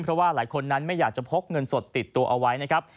เพราะว่าหลายคนนั้นไม่อยากจะพกเงินสดติดตัวเอาไว้นะครับ